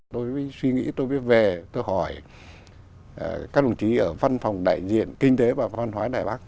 tôi suy nghĩ tôi viết về câu hỏi các đồng chí ở văn phòng đại diện kinh tế và văn hóa đài bắc